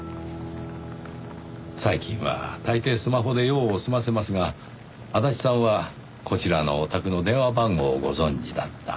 最近は大抵スマホで用を済ませますが足立さんはこちらのお宅の電話番号をご存じだった。